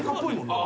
ああ。